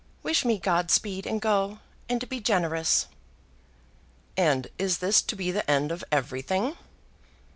Wish me God speed and go, and be generous." "And is this to be the end of everything?"